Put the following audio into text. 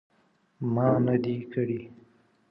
ما نه دي کړي